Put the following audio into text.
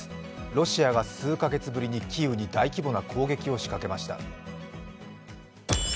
ロシアが数か月ぶりにキーウに大規模な攻撃を仕掛けました。